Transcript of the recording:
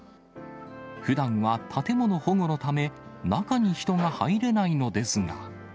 ふだんは建物保護のため、中に人が入れないのですが。